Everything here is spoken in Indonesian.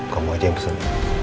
kamu aja yang pesen